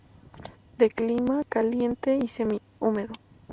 De clima caliente y semi-húmedo.